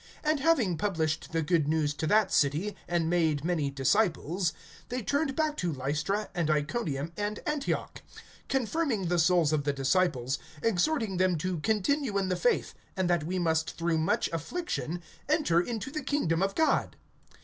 (21)And having published the good news to that city, and made many disciples, they turned back to Lystra, and Iconium, and Antioch; (22)confirming the souls of the disciples, exhorting them to continue in the faith, and that we must through much affliction enter into the kingdom of God.